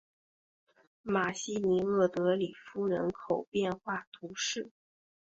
马西尼厄德里夫人口变化图示